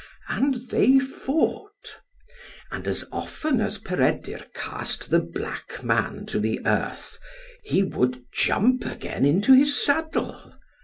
And they fought. And as often as Peredur cast the black man to the earth, he would jump again into his saddle.